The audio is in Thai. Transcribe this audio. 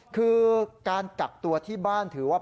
คือการกักตัวที่บ้านถือว่า